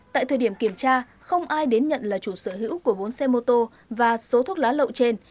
tại thời điểm kiểm tra không ai đến nhận là chủ sở hữu của bốn xe mô tô và số thuốc lá lậu trên